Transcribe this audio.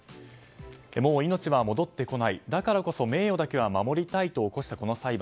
もう命は戻ってこないだからこそ、名誉だけは守りたいと起こした裁判。